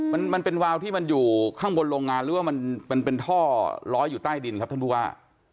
มันมันเป็นวาวที่มันอยู่ข้างบนโรงงานหรือว่ามันเป็นท่อร้อยอยู่ใต้ดินครับท่านผู้ว่า